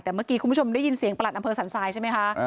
แต่เมื่อกี้คุณผู้ชมได้ยินเสียงประหลัดอำเภอสันทรายใช่ไหมคะ